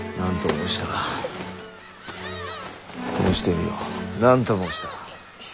申してみよ。何と申した？